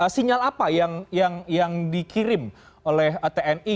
sinyal apa yang dikirim oleh tni